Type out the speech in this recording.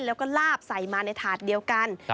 แล้วก็ลาบใส่มาในถาดเดียวกัน